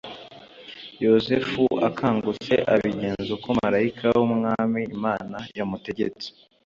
Yosefu akangutse abigenza uko marayika w’Umwami Imana yamutegetse